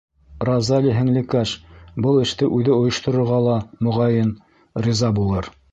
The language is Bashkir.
Розалия һеңлекәш был эште үҙе ойошторорға ла, моғайын, риза булыр.